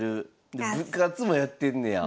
部活もやってんねや。